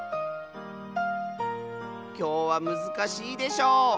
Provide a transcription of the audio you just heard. きょうはむずかしいでしょう？